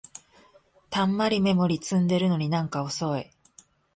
たんまりメモリ積んでるのになんか遅い